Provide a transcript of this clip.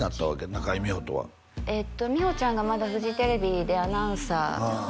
中井美穂とはえっと美穂ちゃんがまだフジテレビでアナウンサーああ